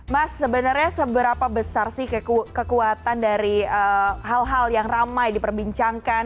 mas sebenarnya seberapa besar sih kekuatan dari hal hal yang ramai diperbincangkan